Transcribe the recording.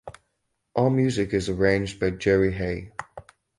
All music is arranged by Jerry Hey.